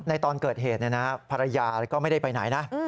ตอนเกิดเหตุภรรยาก็ไม่ได้ไปไหนนะ